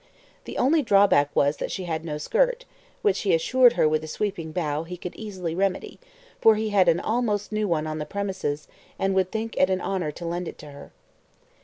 The only drawback was that she had no skirt, which, he assured her with a sweeping bow, he could easily remedy, for he had an almost new one on the premises, and would think it an honour to lend it to her.